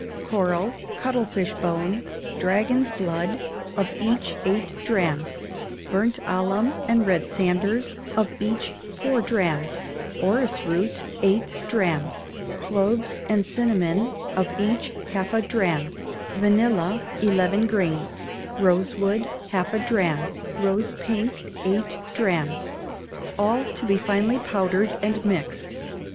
Coral, cuttlefish bone, dragon's blood, of each eight drachms; burnt alum and red sanders, of each four drachms; orris root, eight drachms; cloves and cinnamon, of each half a drachm; vanilla, eleven grains; rose wood, half a drachm; rose pink, eight drachms. All to be finely powdered and mixed.